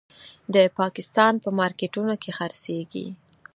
د پاکستان په مارکېټونو کې خرڅېږي.